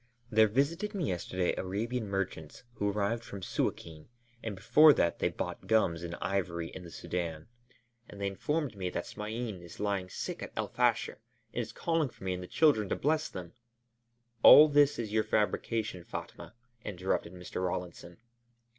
There visited me yesterday Arabian merchants, who arrived from Suâkin, and before that they bought gums and ivory in the Sudân, and they informed me that Smain is lying sick at El Fasher and is calling for me and the children to bless them " "All this is your fabrication, Fatma," interrupted Mr. Rawlinson.